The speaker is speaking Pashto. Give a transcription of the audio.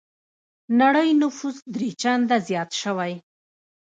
نړۍ نفوس درې چنده زيات شوی.